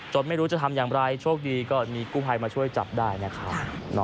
ไม่รู้จะทำอย่างไรโชคดีก็มีกู้ภัยมาช่วยจับได้นะครับ